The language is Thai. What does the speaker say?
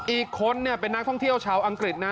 อีกคนเป็นนักท่องเที่ยวชาวอังกฤษนะ